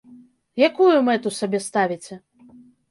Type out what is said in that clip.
Якую мэту сабе ставіце?